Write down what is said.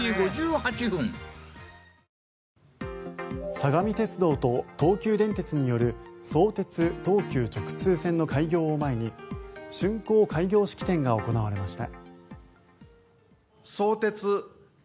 相模鉄道と東急電鉄による相鉄・東急直通線の開業を前にしゅん功開業式典が行われました。